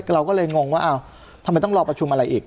เราก็เลยงงว่าทำไมต้องรอประชุมอะไรอีก